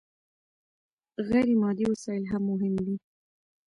غير مادي وسايل هم مهم دي.